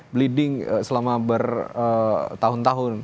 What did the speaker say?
bleeding selama bertahun tahun